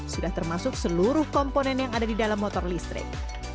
sudah termasuk seluruh komponen yang ada di dalam motor listrik